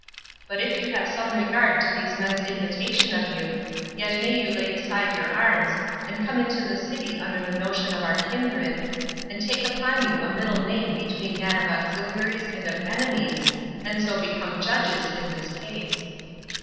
But if you have some regard to these men's invitation of you, yet may you lay aside your arms, and come into the city under the notion of our kindred, and take upon you a middle name between that of auxiliaries and of enemies, and so become judges in this case.